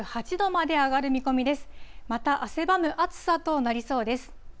また、汗ばむ暑さとなりそうです。